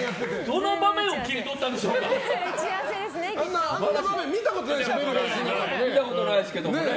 どの場面を切り取ったんでしょうね。